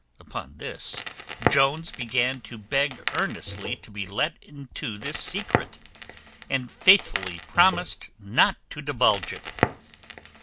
Upon this, Jones began to beg earnestly to be let into this secret, and faithfully promised not to divulge it.